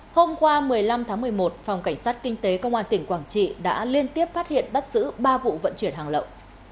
hôm qua một mươi năm tháng một mươi một phòng cảnh sát kinh tế công an tỉnh quảng trị đã liên tiếp phát hiện bắt xử ba vụ vận chuyển hàng lậu